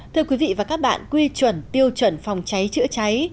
thưa quý vị và các bạn quy chuẩn tiêu chuẩn phòng cháy chữa cháy